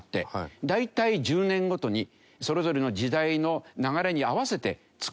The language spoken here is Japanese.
大体１０年ごとにそれぞれの時代の流れに合わせて作り替えるんですね。